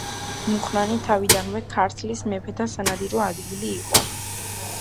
მუხრანი თავიდანვე ქართლის მეფეთა სანადირო ადგილი იყო.